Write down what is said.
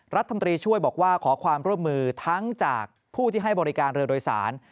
รัฐมนตรีช่วยบอกว่าขอความร่วมมือทั้งจากผู้ที่ให้บริการเรือโดยสาร